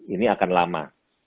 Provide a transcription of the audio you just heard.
ini akan lama